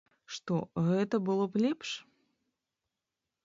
Што, гэта было б лепш?